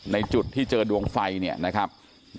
ในจุดที่เจอดวงไฟเนี่ยนะครับ